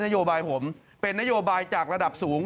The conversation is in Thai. โยบายผมเป็นนโยบายจากระดับสูง